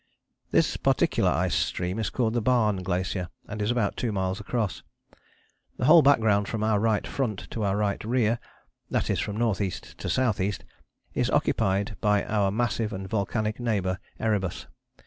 This particular ice stream is called the Barne Glacier, and is about two miles across. The whole background from our right front to our right rear, that is from N.E. to S.E., is occupied by our massive and volcanic neighbour, Erebus.